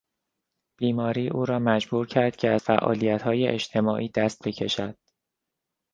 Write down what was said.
بیماری او را مجبور کرد که از فعالیتهای اجتماعی دست بکشد.